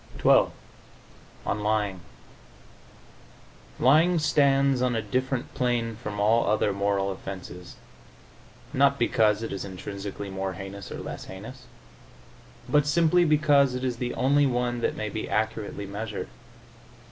XII ON LYING Lying stands on a different plane from all other moral offenses, not because it is intrinsically more heinous or less heinous, but simply because it is the only one that may be accurately measured.